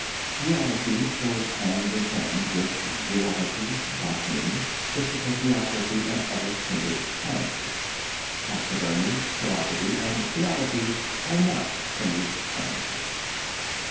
Geology goes hand in hand with zoology, botany, physical geography and other kindred sciences. Taxidermy, chiropody and theology are not kindred sciences.